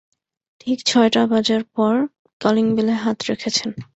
ঠিক ছটা বাজার পর কলিং বেলে হাত রেখেছেন।